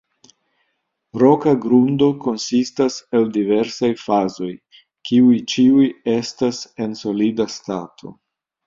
Roka grundo konsistas el diversaj fazoj, kiuj ĉiuj estas en solida stato.